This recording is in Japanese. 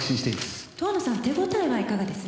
「遠野さん手応えはいかがです？」